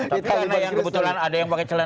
tapi karena yang kebetulan ada yang pakai celana